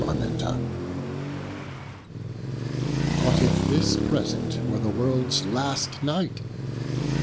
XIII What if this present were the worlds last night?